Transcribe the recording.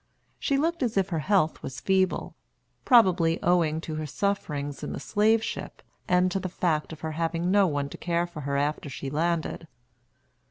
She looked as if her health was feeble, probably owing to her sufferings in the slave ship, and to the fact of her having no one to care for her after she landed.